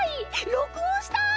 録音したい！